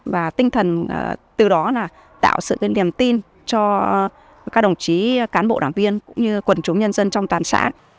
và tinh thần từ đó là tạo sự niềm tin cho các đồng chí cán bộ đảng viên cũng như quần chúng nhân dân trong toàn xã